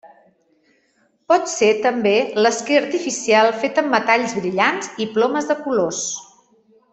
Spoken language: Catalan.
Pot ser també l'esquer artificial fet amb metalls brillants i plomes de colors.